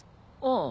ああ。